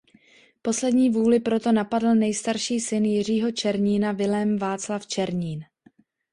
Poslední vůli proto napadl nejstarší syn Jiřího Černína Vilém Václav Černín.